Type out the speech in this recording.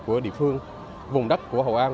của địa phương vùng đất của hội an